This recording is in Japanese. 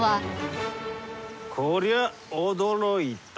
こりゃ驚いた。